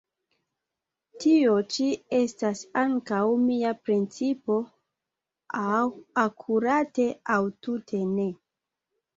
Tio ĉi estas ankaŭ mia principo; aŭ akurate, aŭ tute ne!